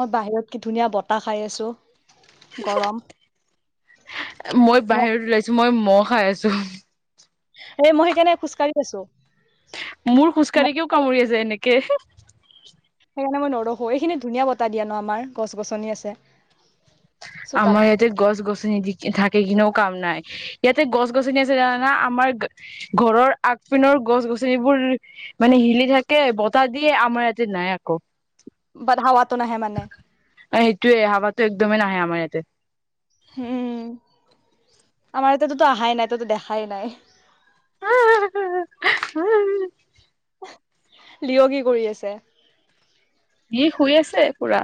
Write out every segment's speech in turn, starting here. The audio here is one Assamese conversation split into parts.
মই বাহিৰত কি ধুনীয়া বতাহ খাই আছো গৰম মই বাহিৰত ওলাইছো মই মই খাই আছো এ মই সেইকাৰণে খোজকাঢ়ি গৈছো মোৰ খোজকাঢ়িয়ও কামুৰি আ যায় এনেকে কে তোৰ কাৰণে মই নৰসো এইখিনি ধুনীয়া বতাহ দিয়া ন আমাৰ গছ গছনি আছে চোতাল আমাৰ ইয়াতে গছ গছ নিদি থ সেইখিনিও কাম নাই ইয়াতে গছ গছনি আছে জানানা আমাৰ ঘৰৰ আগ পিনৰ গছ গছনিবোৰ মানে হিলি থাকে বতাহ দিয়ে আমাৰ ইয়াতে নাই আকৌ বাধা হোৱাটো নাহে মানে টো এ হাবাটো একদম নাহে আম সময়তে উম আমাৰ ই তততো আহহাই নাই ততো দেখাই নাই উম লিয়গি কৰি আছে ই শুই আছে পুৰা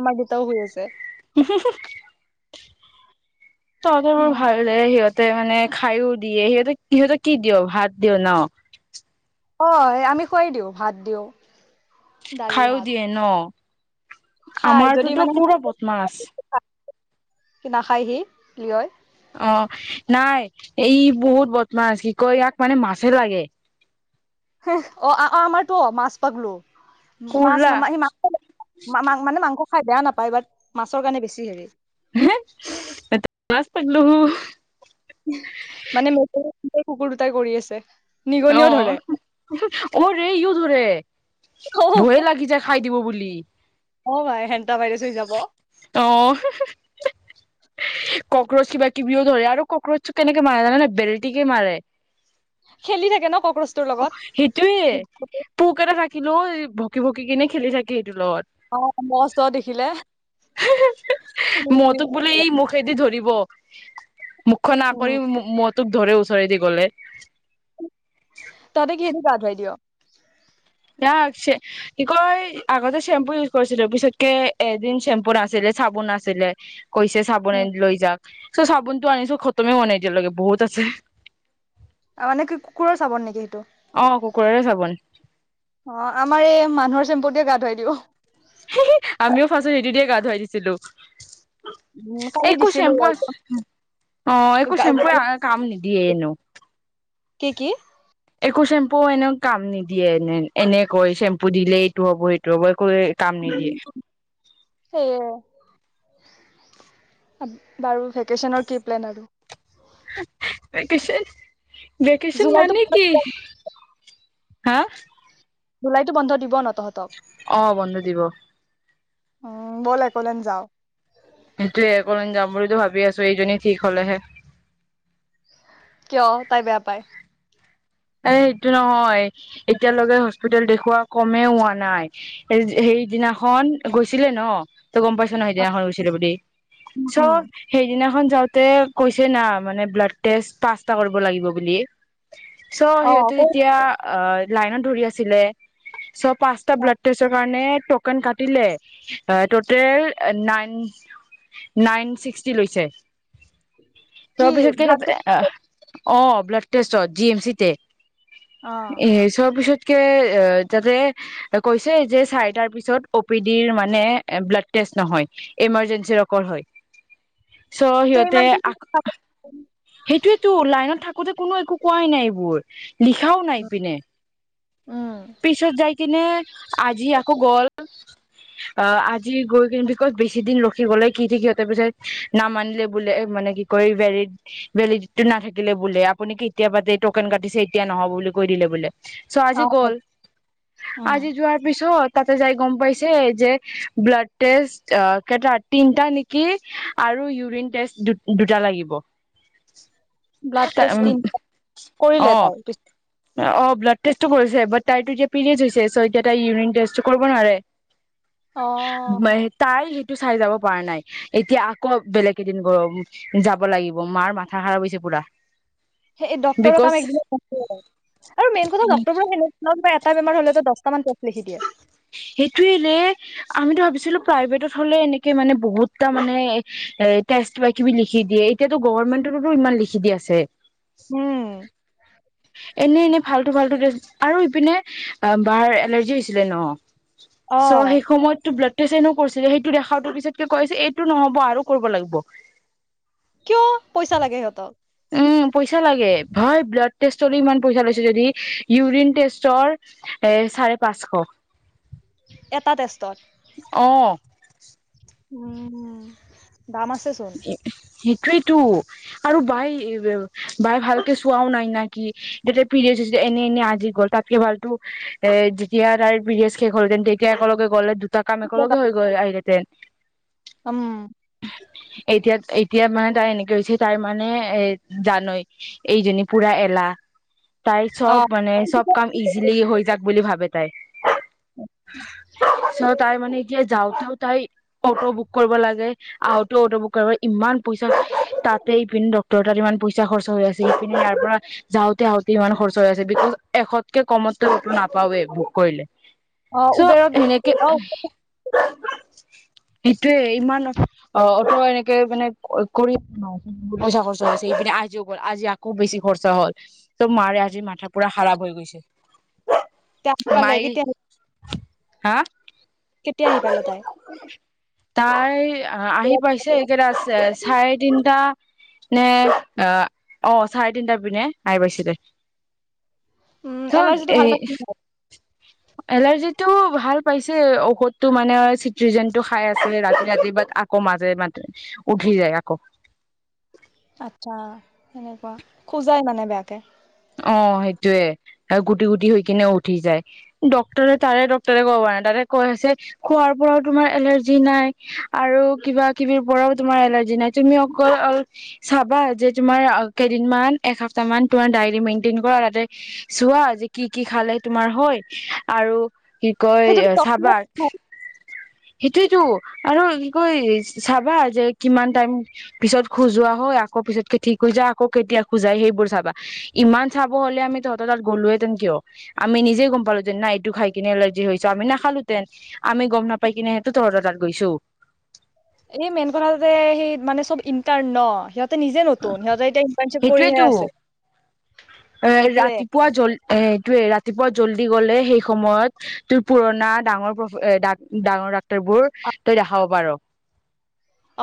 আমাৰ দুতাও শুই আছে হুম হুম তহঁতৰ বৰ ভাল দেই সিহঁত তই মানে খায়ো দিয়ে সিহঁতে সিহঁতে কি দিয় ভাত দিওঁ ন অ আমি খুৱাই দিওঁ ভাত দিওঁ দালি খাইয়ো ভাত দিয়ে ন খাই আমাৰটোটো পুৰা বদমাছ কি নাখায়হি লয় অ নাই এই বহুত বদমাছ কি কয় ইয়াক মানে মাছে লাগে অ আমাৰতো অ মাছ পাগলো মাছ পুৰা নমা সি মাংসা মানে মাংস খাই বেয়া নাপায় বাৰ মাছৰ কাৰণে বেছি হেৰি হ এ মাছ পাগলো মানে মেটেল কুকুৰ দুটাই কৰি আছে অ নিগনিও ধৰে অ ৰে ইও ধৰে ভয়ে লাগি যায় খাই দিব বুলি বি অ ভাই সেনটা বাৰ চ হৈ যাব অ কক্ৰচ কিবা কিবিও ধৰে আৰু কক্ৰচটো কেনেকে মাৰে জানে ন বেলটিমাৰি ধৰে খেলি থাকে ন ক অ সেইটোৱে পোক এটা থাকে থাকিলো ভকি ভকি কিনে খেলি থাকে অ মস্ত দেখিলে [unintelligible] মতুক বুলে ই মুখে দি ধৰিব ৱ [unintelligible] ণা কৰি উম ম [unintelligible] তোক ধৰে ওচৰে দি গ'লে তহতে কিদি গা ধুবাই দিয় [unintelligible] কি কয় আগতে চেম্পু ইউজ কৰিছিলো পিছতকে এদিন চেম্পু নাছিলে চাবোন আছিলে কৈছে চাবোন লৈ যাক স চাবুন তো আনিছো খতমে হোৱা নাই এতিয়ালৈকে বহুত আছে মানে কি কুকুৰৰ চাবন নেকি অ কুকুৰৰে চাবোন অ আমাৰ এই মানুহৰ চেম্প গা ধুৱাই দিব [unintelligible] আমিও ফাৰচত সেইটো দিয়ে গা ধুৱাই দিছিলো উম কালি একো দিছিলো চেম্পু বাৰু। আ অ একো চেম্পুয়ে কাম নিদিয়ে এনেও কি কি একো চেম্পু এনেক কাম নিদিয়ে এনে এনেকৈ চেম্পু দিলে এইটো হব এইটো হ'ব ক কাম নিদিয়ে সেয়ে বাৰু ভেকেশচনৰ কি প্লেন কেছে [unintelligible] ভেকেচন জুলাইতো মানে কি হা জুলাইতো বন্ধ দিব ন তহঁতক অ বন্ধ দিব উম ব'ল একলেন যাও সেইটো এ একলেণ যাম বুলিতো ভাবি আছো এইজনী ঠিক হলেহে কিয় তাই বেয়া পায় এ সেইটো নহয় এতিয়ালৈকে হস্পিটেলত দেখুওৱা কমেই হোৱা নাই সেইদিনাখন গৈছিলে ন ত গম পাইছ ন সেইদিনাখন গৈছিলে বুলি উম চ' উম সেইদিনাখন যাওঁতে কৈছে না মানে ব্লাড টেষ্ট পাঁচটা কৰিব লাগিব বুলি চ' অ সিহঁতো তেতিয়া অ লাইনত ধৰি আছিলে চ' পাঁচটা ব্লাড টেষ্টৰ কাৰণে ট'কেন কাটিলে ট'টেল নাইন নাইন ছিক্সটি লৈছে কি তাৰপিছত কেতা ভাত অ অ blood test G M C তে অ এ চবছয়ত তাকে কৈছে যে চাৰিটাৰ পাছত ঔপিদিৰ মানে ব্লাড টেষ্ট নহয় এমাৰ জেন্সিৰে অকল হয়। চ' তে সিহঁতে ইমান আ সেইটোয়েতটো লাইনত থাক আগোতে কোনো একো কোৱাই নাই। পোৱত লিখাও নাই এপিনে উম পিছত যাই কিনে আজি আকৌ গ'ল অ আজি গৈ কিনে বেছি দিন ৰখি গলে কি থাক সিহঁতৰ পিছত নামানিলে বোলে মানে কি ক ভেলিড ভেলিডিটো নাথাকিলে বোলে আপুনি কেতিয় পা ন কাটিছে এতিয়া নহব বুলি কৈ দিলে বলে চ' অ আজি গ'ল উম আজি যোৱাৰ পিছত তাতে যাই গম পাইছে যে ব্লাড টেষ্ট কটা তিনটা নেকি আৰু ইউৰিন টেষ্ট দুটা লাগিব ব্লাড টেষ্ট তিনিটা। অ কৰিলে তাইছ। অ ব্লাড টেষ্টটো কৰিছে বা তাই এতিয়া পিৰিয়ডছ হৈছে চ' এতিয়া তাই ইউৰিন টেষ্টটো কৰিব নোৱাৰে অ মই তাই টো চাই যাব পৰা নাই এতিয়া আকৌ বেলেগ কেইদিন গ যাব লাগিব মাৰ মাথা খাৰাপ হৈছে পুৰা সেই ডক্তৰৰ বিকজ কাম একদম আৰু মেইন কথা ডক্তৰ বোৰেনে এটা বেমাৰ হলে ত দহটামান ক সেইটোৱে আমিতো ভাবিছোঁ। চালা প্ৰাইভেটত হ'লে এনেকে মানে বহুত কাম লিখি দিয়ে এতিয়া তো গৰম বন্ধৰ বাবে বহুত লিখি দি আছে উম এনে এনে ফাল্টু ফাল্টু ডেছ আৰু ইপিনে বাৰ এলাৰ্জি ছিলে ন অ চ' সেই সময়ত তো ব্লাড। চনো কৰিছিলে সেইটো দেখাটো পিছতকে কৈছে এইটো নহব আৰু কৰিব লাগিব কিয় পইচা লাগে সিহঁতক উম পইচা লাগে ভয় ব্লাড টেষ্টলৈ ইমান পইচা লৈছে যদি ইউৰিন টেষ্টৰ এ চাৰে পাঁচশ এটা টেষ্টত অ [unintelligible] উম হম দাম আছে চোন টো আৰু বাই বাই ভালকে চোৱাও নাই নেকি পিৰিয়ড হৈছিলেএনে এনে আজি গ'ল তাতকে ভালতো এ যেতিয়া তাই পিৰিয়ছ কেে হ'লতে তেতিয়া একেলগে গ'লে কামে ক লগে হৈ গৈ আহিলতে উম এতিয়া এতিয়া মানে তাৰ এনেকে হৈছে তাৰ মানে এ জানৈ এইজনী পুৰা এলাহ তাই অ চব মানে চব কাম ইজিলি হৈ যাক বুলি ভাবে [unintelligible] তাই চ' [unintelligible] তাই মানে এতিয়া যাওঁতেও তাই অটো বুক কৰিব লাগে আহোতে অটো বুক কৰিব ইমান পইচা তাতে ইপিনে ডক্টৰ তাতে ইমান পইচা খৰচা হৈ আছে ইপিনে ইয়াৰ পৰা যাওঁতে হাওঁতে ইমান খৰচা হৈ আছে বিকজ এশতকে কমত অটো নাপাৱওে বুক কৰিলে অ চ' উবেৰত এনেকে অ সেইটোৱে ইমান অ অ ত এনেকে মানে কৰি আ পইচা খৰচাছে ইপিনে আজিও গল আজি আকৌ বেছি খৰচা হল ত' মাৰে আজি মাথা পুৰা খাৰাপ হৈ গৈছে ত পালে মাই কেতিয়া আহি হা কেতিয়া পালে তাই তাই আহি পাইছে এইকেইটা চাৰে তিনিটা নে অহ অ চাৰে তিনিটাবিনে আইি পাইছিল দে। উম [unintelligible] এলাৰ্জিটো এ ভাল পাইছে এলাৰজি তেও ভাল পাইছে ঔষধ তঅ মানে চিটিযেনটো খাই আছিলে ৰাতি ৰাতি আকৌ মাজে মাজ উঠি যায় আকৌ। আচ্ছা সেনেকুৱা খোজাই মানে বেয়াকে? অ সেইটোৱে আৰু গুটি গুটি হৈ কিনে উঠি যায় ডক্টৰে তাৰে ডক্টৰে ক'ব পৰা নাই তাৰে কৈ আছে খোৱাৰ পৰাও তোমাৰ এলাৰ্জি নাই আৰু কিবা কিবিৰ পৰাও তোমাৰ এলাৰ্জি নাই তুমি অকল চাবা যে তোমাৰ কেইদিনমান এসপ্তাহ মান তোমাৰ ডাইট মেইনটেইন কৰা তাতে চোৱা যে কি কি খালে তোমাৰ হয় আৰু কি কয় সেইটোতো চাবা সেইটোৱেটো‌ আৰু কৈ চাবা যে কিমান টাইম পিছত খোজোৱা হয় আকৌ পিছতকে ঠিক হৈ যায় আকৌ কেতিয়া খোজাই সেইবোৰ চাবা। ইমান চাব হলে আমি তহঁতৰ তাত গলোহেঁতেন কিয় আমি নিজে গম পালো যেন নাইএইটো খাই কিনে এলাৰ্জি হৈছে আমি নাখালোহেতেন আমি গম নাপাই কিনে তহঁতৰ তাত গৈছো। এনে মেইন কথাতো যে সেই মানে চব ইণ্টাৰ ন সিহঁত নিজে নতুন সিহঁতে এতিয়া ইণ্টাৰ্নশ্বিপ কৰিহে সেইটোয়েতো আছে। এ সেইটোয়ে ৰাতিপুৱা জ্বল এইটোৱে ৰাতিপুৱা ৰাতিপুৱা জল্দি গ'লে সেই সময়ত তোৰ পুৰণা ডাঙৰ [unintelligible] ডাঙৰ বোৰ তই দেখাব পাৰ।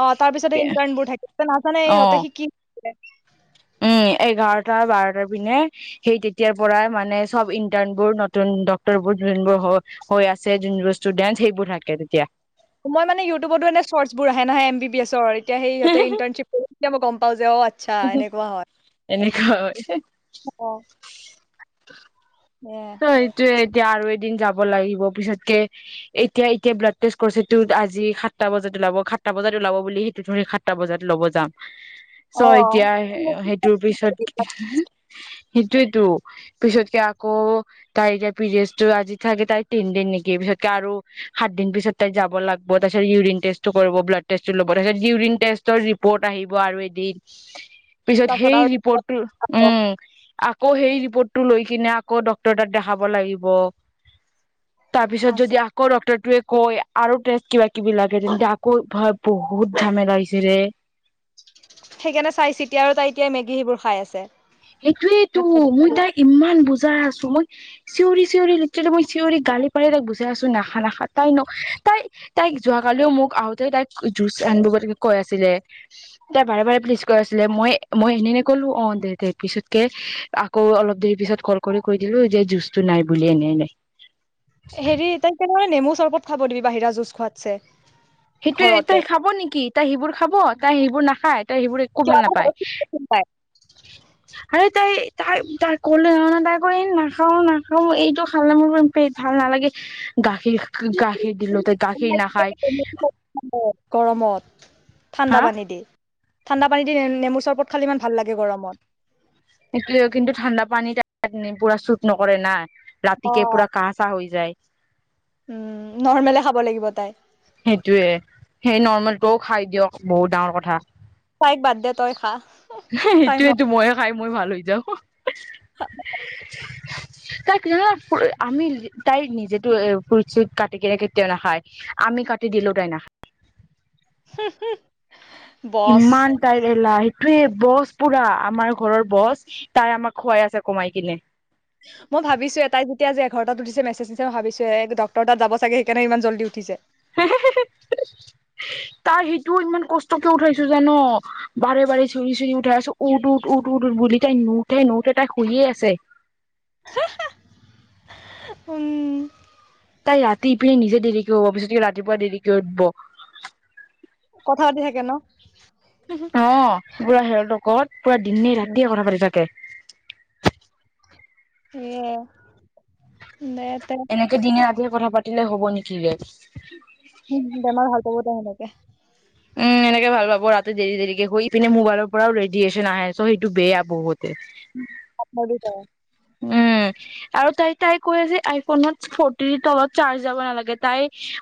অ তাৰ পিছত ইণ্টাৰ্ণবোৰ থাকে নাজানে ইহঁতে অ শিকি উম এঘাৰটা বাৰটাৰ পিনে সেই তেতিয়াৰ পৰা মানে চব ইন্টাৰণবোৰ নতুন ডক্টৰ বোৰ যোনবোৰ হৈ আছে যোনবোৰ ষ্টুডেন্ট সেইবোৰ থাকে তেতিয়া। মই মানে ইউটউবতো এনে চৰ্চ বোৰ আহে নহয় এম বি এছৰ। তেতিয়া সিহঁতে ইণ্টাৰচিপ কৰিছিলে মই অ যোৱাবাৰ হো হো‌ এনেকা হয় অ । ত সেয়াই। ত এইটোৱেই এতিয়া আৰু দিন যাব লাগিব পিছতকে এতিয়া এতিয়া ব্লাড টেষ্ট কৰিছে ইটো আজি সাতটা বজাত ওলাব সাতটা বজাত ওলাব বুলি সেইটো ধৰি সাতটা বজাত ল'ব যাম। চ অ এতিয়া মোক সেইটোৰ পিছত কি সেইটোৱেতো পিছতকে আকৌ তাই এতিয়া পিৰিয়চটো আজি থাকে তাই তিন দিন নেকি পিছতকে আৰু সাত দিন পিছত তাই যাব লাগিব তাৰপিছত ইউৰিন টেষ্ট কৰিব ব্লাড টেষ্ট লব তাৰপিছত ইউৰিন টেষ্টৰ ৰিপৰ্ট আহিব আৰু এদিন পিছত তাৰপাছত সেই আৰু ৰিপৰ্টটো উম আকৌ সেই ৰিপৰ্টটো লৈ কিনে আকৌ ডক্টৰ ডক্টৰ তাত দেখাব লাগিব তাৰপিছত আছে যদি আকৌ ডক্টৰ সেইটোৱে কৈ আৰু টেষ্ট কিবা কিবি লাগে তেন্তে আকৌ ভাই বহুত জামেলা হৈছে ৰে সি এইবোৰ খাই আছে এইটোয়েই তো মই তাইক ইমান বুজাওঁ বুজাই আছো মই চিঞৰি চিঞৰি মই চিঞৰি গালি পাৰি তাইক বুজাই আছো নাখায় নাখা, তাই ন তাই তাইক যোৱাকালিও মোক আহোতে তাইক জুচ আনিব কৈ আছিলে তাই বাৰে বাৰে প্লিজ কৈ আছিলে মই মই এনে ক'লো অ দে পিছতকে আকৌ অলপ দেৰি পিছত কল কৰি কৈ দিলো যে জুচটো নাই বুলি এনেই নাই হেৰি তাই তেনেকুৱা নেমু চৰবত খাব দিবি বাহিৰা জুচ খোৱাতকে সেইটোয়ে তই খাব নেকি তাই সেইবোৰ খাব তাই সেইবোৰ নাখায় সেইবোৰ একো কিয় ভাল বহুত নাপায় কোনোবাই আৰু তাই তাই তাই কলে না তাই কই নাখাও নাখাও এইটো খালে মোৰ ভাল নালাগে গাখীৰ গাখীৰ দিলো তাই গাখীৰ নাখায় গৰমত ঠাণ্ডা হা পানী দে ঠাণ্ডা পানী দি নেমুৰ চৰবত খালে ইমান ভাল লাগে গৰমত কিন্তু ঠাণ্ডা পানী তাত পুৰা চুট নকৰে নাই অ ৰাতিকে পুৰা কাহ চাহ হৈ যায়। উম নৰ্মেলে খাব লাগিব তাই সেইটোৱে সেই নৰ্মেল তও খাই দিয়ক বহুত ডাঙৰ কথা তাই বাদ্ দে তই খা তাই ম সেইটোয়েটো মইয়ে খাই মই ভাল হৈ যাওঁ [unintelligible] তাই আমি তাই নিজেটো ফ্ৰুত চুট কাটি কিনে কেতিয়াও নাখায়, আমি কাটি দিলও তাই নাখায় হ হু ইমান [unintelligible] তে বছ পুৰা আমাৰ ঘৰৰ বছ তাই আমাক খোৱাই আছে কমাই কিনে মই ভাবিছো এ তাই যেতিয়া যে এঘাৰ তাত উঠিছে মেছেজ দিছে মই ভাবিছো ডক্তৰ তাত যাব চাগে, সেইকাৰণে ইমান জল্দি উঠিছে তাই সেইটো ইমান কষ্টকে উঠাইছো জান, বাৰে বাৰে চিঞৰি চিঞৰি উঠাই আছো উঠ উঠ উঠ উঠ বুলি, তাই নুওঠে নুঠে তাই শুইয়ে আছে উম তাই ৰাতি পিনে নিজে দেৰিকে শুব বিচাৰে ৰাতিপুৱা দেৰিকে উঠব কথা পাতি থাকে ন [unintelligible] পূৰা দিনে ৰাতিয়ে কথা পাতি থাকে উ [inaudible] এনেকে দিনে‌ ৰাতি কথা পাতিলে হ'ব নেকি ৰে উম বেমাৰ ভাল পাবদে [inaudible] তাকে উম এনেকে ভাল পাব ৰাতি দেৰি দেৰিকে শুই পিনে মোবাইলৰ পৰাও ৰেডিয়েচন আহে চ' সেইটো বেয়া বহুত [unintelligible] উম আৰু তাই তাই কৈ যে আইফোনত ফটি তলত চাৰ্জ যাব নালাগে তাই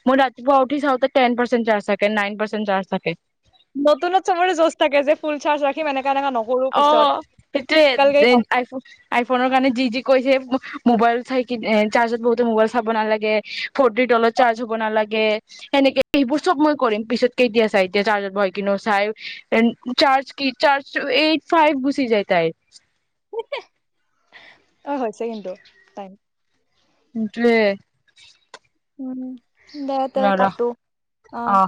মই ৰাতিপুৱা উঠি চাওঁতে টেন পাৰ্চেন্ট চাৰ্জ থাকে নাইন প চাৰ্জ থাকে নতুনত চবৰে জোঁজ থাকে যে ফুল চাৰ্জ ৰাখিম এনেকা এনেকা নকৰো অ পিছত কালকে সেইটোৱে আইফোনৰ কাৰণে যি যি কৈছে মোবাইল চাই কি চাৰ্জত বহুতে মোবাইল চাব নালাগে ফ'ৰটি তলত চাৰ্জ হ'ব নালাগে সেনেকে সেইবোৰ চব মই কৰিম পিছত কেইতিয়া চাই এতিয়া চাৰ্জত বহ কিনে চাই চাৰ্জ কি চাৰ্জ এইট ফাইভ গুচি যায় তাই অ হৈছে কিন্তু টাইম [unintelligible] [inaudible] দে দে ল'ৰা কাতো অ আহ